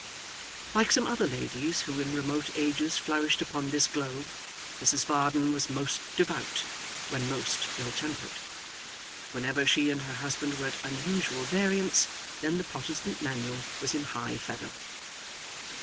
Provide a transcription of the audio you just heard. Like some other ladies who in remote ages flourished upon this globe, Mrs Varden was most devout when most ill tempered. Whenever she and her husband were at unusual variance, then the Protestant Manual was in high feather.